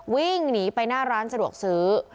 วิ่งหนีไปหน้าร้านสะดวกซื้อ